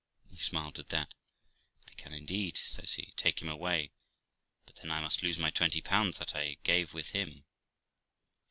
He smiled at that. 'I can, indeed', says he; 'take him away, but then I must lose my 20 that I gave with him.'